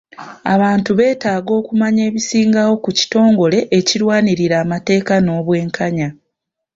Abantu beetaaga okumanya ebisingawo ku kitongole ekirwanirira amateeka n'obwenkanya.